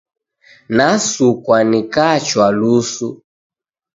Nasukwa nikachwa lusu.